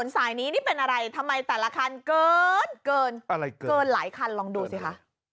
สายนี้นี่เป็นอะไรทำไมแต่ละคันเกินเกินหลายคันลองดูสิคะ